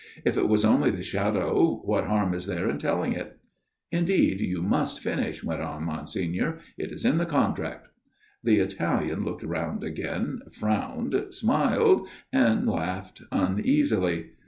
If it was only the shadow, what harm is there in telling it ?"" Indeed you must finish," went on Monsignor ; "it is in the contract." The Italian looked round again, frowned, smiled, and laughed uneasily.